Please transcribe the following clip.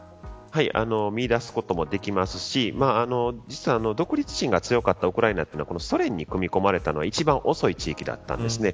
見いだすこともできますし実は独立心が強かったウクライナは、ソ連に組み込まれたのは一番遅い地域だったんです。